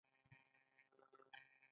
زما له ځانه کرکه ده .